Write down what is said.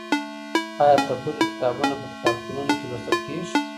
آيا تپلي کتابونه په کتابتونونو کي لوستل کېږي؟